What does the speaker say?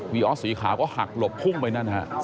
ออสสีขาวก็หักหลบพุ่งไปนั่นฮะ